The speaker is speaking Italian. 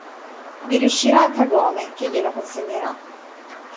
Vi riuscirà Kagome, che gliela consegnerà.